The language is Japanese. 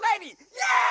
イエーイ！